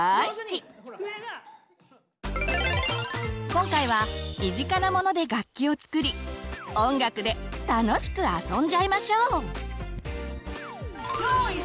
今回は身近なモノで楽器を作り音楽で楽しくあそんじゃいましょう！